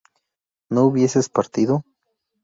¿no hubieses partido?